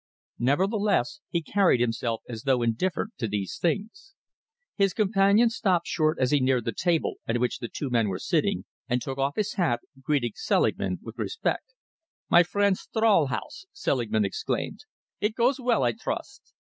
Nevertheless, he carried himself as though indifferent to these things. His companion stopped short as he neared the table at which the two men were sitting, and took off his hat, greeting Selingman with respect. "My friend Stralhaus!" Selingman exclaimed. "It goes well, I trust?